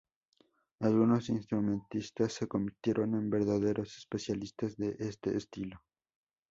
Algunos instrumentistas se convirtieron en verdaderos especialistas de este estilo.